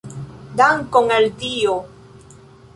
Dankon al Dio!